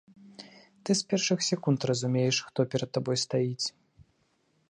Ты з першых секунд разумееш, хто перад табой стаіць.